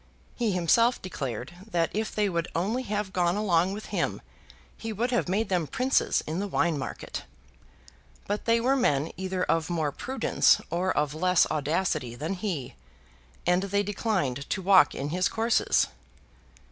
He himself declared that if they would only have gone along with him he would have made them princes in the wine market. But they were men either of more prudence or of less audacity than he, and they declined to walk in his courses.